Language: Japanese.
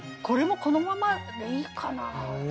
これもこのままでいいかな。